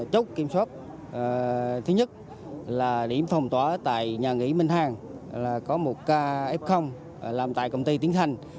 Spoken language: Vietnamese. chốt kiểm soát thứ nhất là điểm phong tỏa tại nhà nghỉ minh hàng là có một ca f làm tại công ty tiến hành